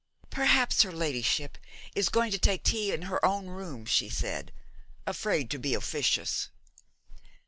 'Perhaps her ladyship is going to take tea in her own room,' she said, afraid to be officious.